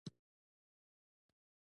کور ته د استراحت لپاره راغلو.